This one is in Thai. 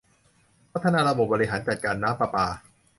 พัฒนาระบบบริหารจัดการน้ำประปา